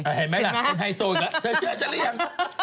เธอเชื่อฉันหรือยัง